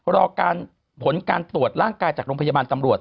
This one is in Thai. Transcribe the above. รอการผลการตรวจร่างกายจากโรงพยาบาลตำรวจ